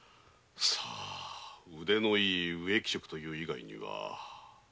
さぁ腕のいい植木職だったという以外には。